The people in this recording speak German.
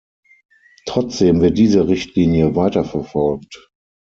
Trotzdem wird diese Richtlinie weiterverfolgt.